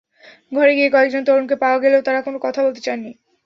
ঘরে গিয়ে কয়েকজন তরুণকে পাওয়া গেলেও তাঁরা কোনো কথা বলতে চাননি।